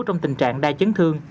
trong tình trạng đai chấn thương